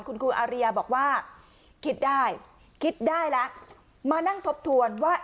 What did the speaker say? คุณครูอาริยาบอกว่าคิดได้คิดได้แล้วมานั่งทบทวนว่า